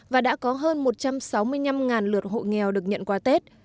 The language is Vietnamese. và đã có hơn một trăm sáu mươi năm lượt hộ nghèo được nhận qua tết